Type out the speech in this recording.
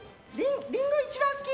リンゴ一番好き！